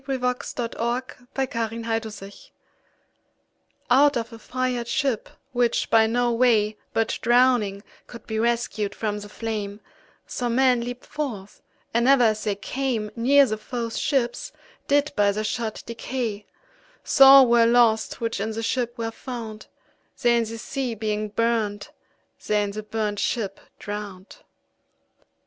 202919A Burnt ShipJohn Donne Out of a fired ship, which, by no way But drowning, could be rescued from the flame, Some men leap'd forth, and ever as they came Neere the foes ships, did by their shot decay; So all were lost, which in the ship were found, They in the sea being burnt, they in the burnt ship drown'd.